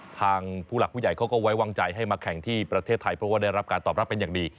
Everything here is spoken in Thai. ทางผู้หลักผู้ใหญ่เขาก็ไว้วางใจให้มาแข่งที่ประเทศไทยเพราะว่าได้รับการตอบรับเป็นอย่างดี